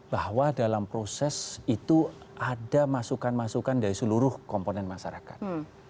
bahwa dalam proses itu ada masukan masukan dari seluruh komponen masyarakat